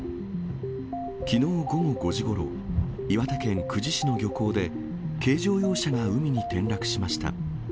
きのう午後５時ごろ、岩手県久慈市の漁港で、軽乗用車が海に転落しました。